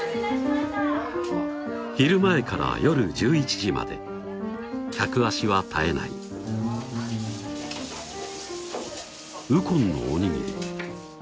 昼前から夜１１時まで客足は絶えない右近のおにぎり